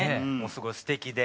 すごいすてきで。